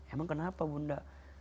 emang kenapa bunda